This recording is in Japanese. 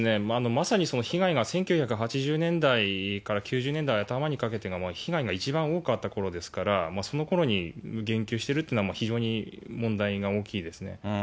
まさにその被害が１９８０年代から９０年代頭にかけては、被害が一番多かったころですから、そのころに言及してるっていうのは、非常に問題が大きいですね。